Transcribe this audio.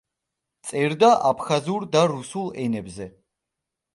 წერდა აფხაზურ და რუსულ ენებზე.